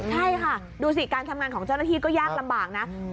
ใช่ค่ะดูสิการทำงานของเจ้าหน้าที่ก็ยากลำบากนะ